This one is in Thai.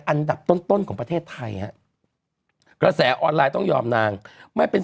อันดับต้นต้นของประเทศไทยฮะกระแสออนไลน์ต้องยอมนางไม่เป็น